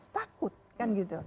takut kan gitu